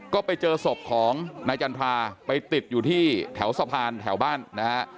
ก็ไปเจอศพของนายจันทราไปติดอยู่ที่แถวสะพานแถวบ้านนะฮะ